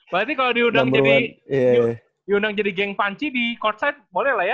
berarti kalau diundang jadi geng panci di courtside boleh lah ya